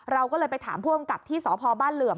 เราก็เลยไปถามผู้อำกับที่สพบ้านเหลื่อม